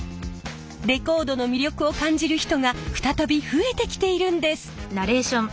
レコードの魅力を感じる人が再び増えてきているんです。